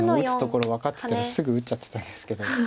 打つところ分かってたらすぐ打っちゃってたんですけど。